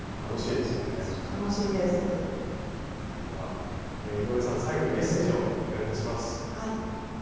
では井上さん最後にメッセージをお願いいたします。